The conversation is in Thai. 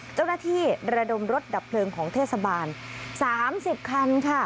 เจ้าหน้าที่ระดมรถดับเพลิงของเทศบาล๓๐ครั้งค่ะ